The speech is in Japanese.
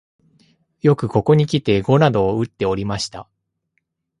よくここにきて碁などをうっておりました